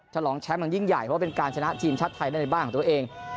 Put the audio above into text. ฉลองแชมป์มันยิ่งใหญ่เพราะว่าเป็นการชนะทีมชาติไทยได้ในบ้านของตัวเอง